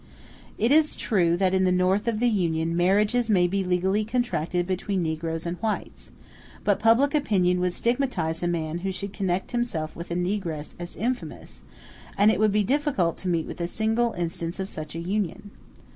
It is true, that in the North of the Union, marriages may be legally contracted between negroes and whites; but public opinion would stigmatize a man who should connect himself with a negress as infamous, and it would be difficult to meet with a single instance of such a union.